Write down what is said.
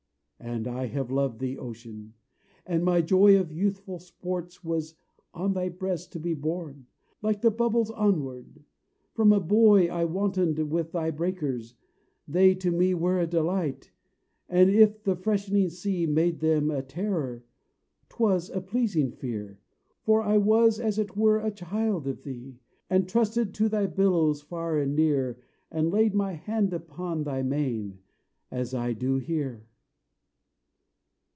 And I have loved thee, Ocean! and my joy Of youthful sports was on thy breast to be Borne, like thy bubbles onward: from a boy I wantoned with thy breakers; they to me Were a delight; and, if the freshening sea Made them a terror 'twas a pleasing fear; For I was as it were a child of thee And trusted to thy billows far and near, And laid my hand upon thy mane as I do here.